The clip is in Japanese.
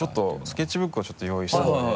スケッチブックをちょっと用意しているので。